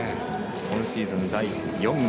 今シーズン、第４号。